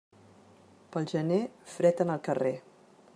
Pel gener, fred en el carrer.